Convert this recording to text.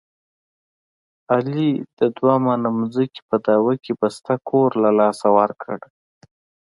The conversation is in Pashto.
علي د دوه منه ځمکې په دعوه کې بسته کور دلاسه ورکړ.